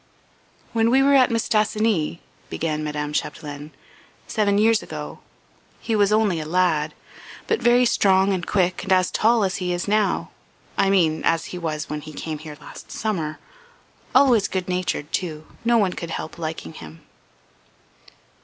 "When we were at Mistassini," began Madame Chapdelaine, "seven years ago, he was only a lad, but very strong and quick and as tall as he is now I mean as he was when he came here last summer. Always good natured too. No one could help liking him."